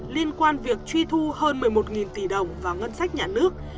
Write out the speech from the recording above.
liên quan việc truy thu hơn một mươi một tỷ đồng vào ngân sách nhà nước